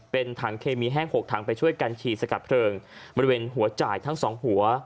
เป็นถังเคมีแห้ง๖ถังไปช่วยกันฉีดสกัดเพลิงบริเวณหัวจ่ายทั้ง๒หัว